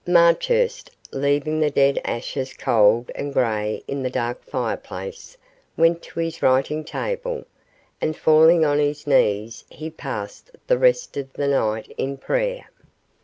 Marchurst, leaving the dead ashes cold and grey in the dark fireplace, went to his writing table, and falling on his knees he passed the rest of the night in prayer.